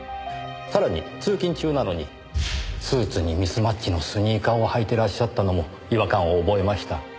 さらに通勤中なのにスーツにミスマッチのスニーカーを履いてらっしゃったのも違和感を覚えました。